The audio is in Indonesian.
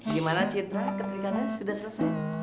gimana cinta keterikannya sudah selesai